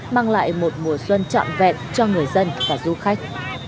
mang lại một mùa xuân trọn vẹn cho người dân và du khách